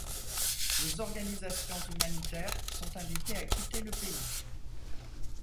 Les organisations humanitaires sont invitées à quitter le pays.